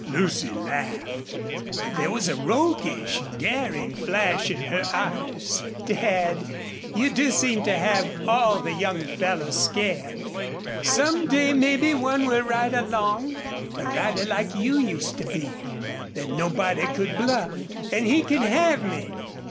Lucy laughed, but there was a roguish, daring flash in her eyes. "Dad, you do seem to have all the young fellows scared. Some day maybe one will ride along a rider like you used to be that nobody could bluff.... And he can have me!"